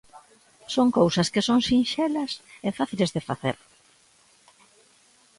Son cousas que son sinxelas e fáciles de facer.